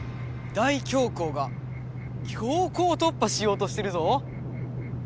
大凶光が強行とっぱしようとしてるぞ！